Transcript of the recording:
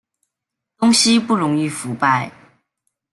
东西不容易腐败